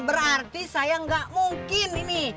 berarti saya nggak mungkin ini